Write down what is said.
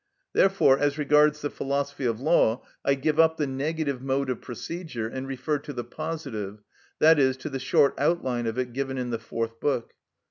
Therefore, as regards the "Philosophy of Law," I give up the negative mode of procedure and refer to the positive, that is, to the short outline of it given in the fourth book.